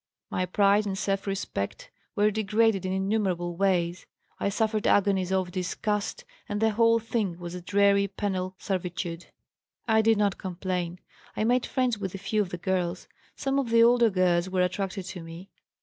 My pride and self respect were degraded in innumerable ways, I suffered agonies of disgust, and the whole thing was a dreary penal servitude. "I did not complain. I made friends with a few of the girls. Some of the older girls were attracted to me.